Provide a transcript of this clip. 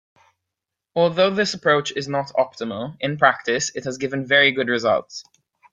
Although this approach is not optimal, in practice it has given very good results.